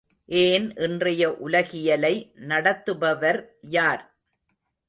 ஏன், இன்றைய உலகியலை நடத்துபவர் யார்?